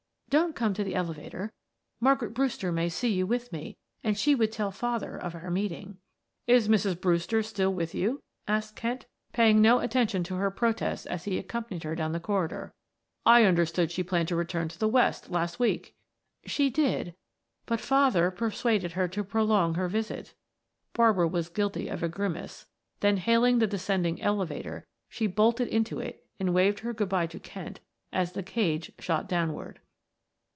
"Don't come to the elevator; Margaret Brewster may see you with me, and she would tell father of our meeting." "Is Mrs. Brewster still with you?" asked Kent, paying no attention to her protests as he accompanied her down the corridor. "I understood she planned to return to the West last week." "She did, but father persuaded her to prolong her visit," Barbara was guilty of a grimace, then hailing the descending elevator she bolted into it and waved her good by to Kent as the cage shot downward.